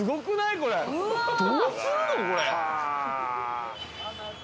これどうするのこれ。